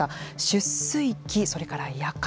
出水期、それから夜間。